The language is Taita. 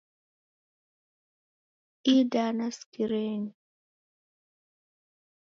Idana sikirenyi